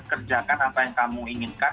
kerjakan apa yang kamu inginkan